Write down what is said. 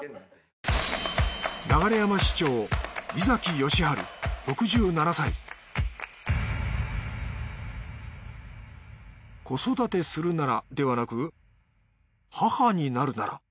流山市長井崎義治６７歳子育てするならではなく母になるなら。